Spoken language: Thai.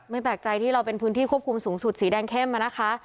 แปลกใจที่เราเป็นพื้นที่ควบคุมสูงสุดสีแดงเข้มนะคะ